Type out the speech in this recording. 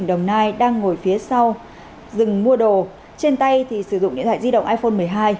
đồng nai đang ngồi phía sau dừng mua đồ trên tay thì sử dụng điện thoại di động iphone một mươi hai